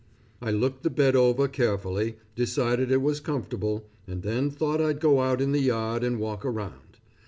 I looked the bed over carefully, decided it was comfortable, and then thought I'd go out in the yard and walk around.